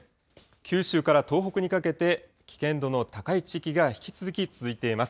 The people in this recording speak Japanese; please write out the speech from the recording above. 九州から東北にかけて、危険度の高い地域が引き続き続いています。